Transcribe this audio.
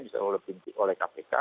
misalnya oleh kpk